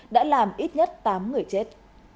đã làm ít nhất tám người chết